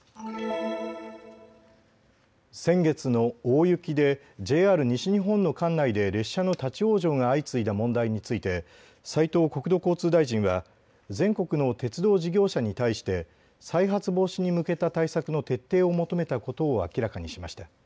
先月の大雪でＪＲ西日本の管内で列車の立往生が相次いだ問題について斉藤国土交通大臣は全国の鉄道事業者に対して再発防止に向けた対策の徹底を求めたことを明らかにしました。